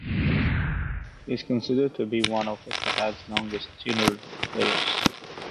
He is considered to be one of Ittihad's longest tenured players.